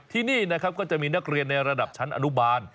ที่นี่นะครับก็จะมีนักเรียนในระดับชั้นอนุบาล